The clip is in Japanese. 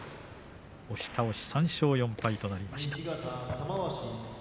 押し倒し、３勝４敗となりました。